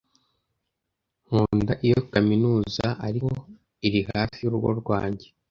Nkunda iyo kaminuza, ariko iri hafi y'urugo rwanjye.